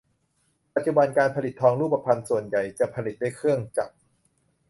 ปัจจุบันการผลิตทองรูปพรรณส่วนใหญ่จะผลิตด้วยเครื่องจักร